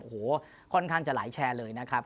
โอ้โหค่อนข้างจะไหลแชร์เลยนะครับ